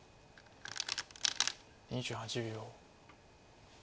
２８秒。